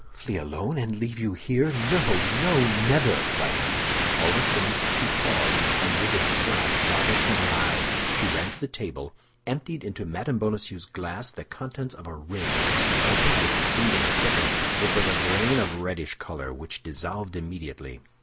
"Flee alone, and leave you here? No, no, never!" cried Milady. All at once she paused, a livid flash darted from her eyes; she ran to the table, emptied into Mme. Bonacieux's glass the contents of a ring which she opened with singular quickness. It was a grain of a reddish color, which dissolved immediately.